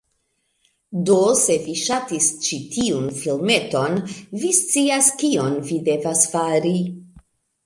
Do se vi ŝatis ĉi tiun filmeton, vi scias kion vi devas fari…